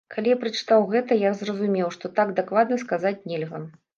Калі я прачытаў гэта, я зразумеў, што так дакладна сказаць нельга.